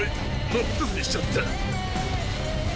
真っ二つにしちゃった。